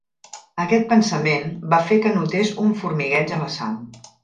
Aquest pensament va fer que notés un formigueig a la sang.